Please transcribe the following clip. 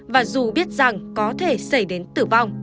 và dù biết rằng có thể xảy đến tử vong